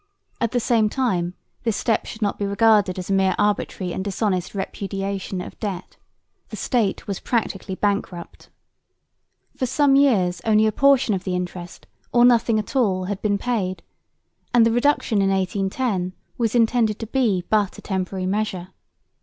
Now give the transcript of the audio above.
At the same time this step should not be regarded as a mere arbitrary and dishonest repudiation of debt. The State was practically bankrupt. For some years only a portion of the interest or nothing at all had been paid; and the reduction in 1810 was intended to be but a temporary measure.